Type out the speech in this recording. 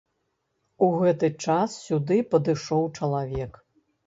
У гэты час сюды падышоў чалавек.